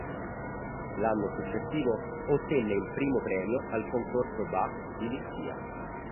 L'anno successivo ottenne il primo premio al Concorso Bach di Lipsia.